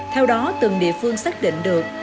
theo đó từng địa phương xác định được